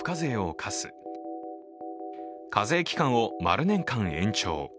課税期間を○年間延長。